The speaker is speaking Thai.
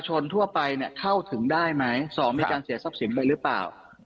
ชนทั่วไปนะเข้าถึงได้ไหม๒มีการเสียซับสินเลยหรือบ้า